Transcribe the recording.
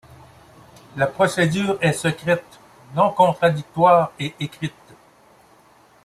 La procédure est secrète, non contradictoire et écrite.